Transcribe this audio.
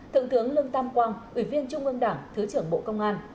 thượng tướng lương tam quang ủy viên trung ương đảng thứ trưởng bộ công an